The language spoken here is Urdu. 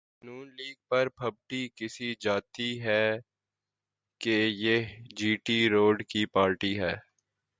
نون لیگ پر پھبتی کسی جاتی ہے کہ یہ جی ٹی روڈ کی پارٹی ہے۔